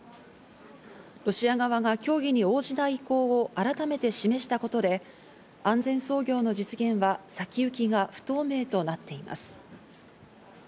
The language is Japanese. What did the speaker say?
ロシア側が協議に応じない意向を改めて示したことで、安全操業の実現は先行きが不透明となっています。